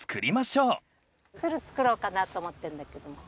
ツル作ろうかなと思ってんだけども。